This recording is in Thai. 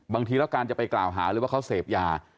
บางทีแล้วการจะไปกล่าวหาเลยว่าเขาเสพยา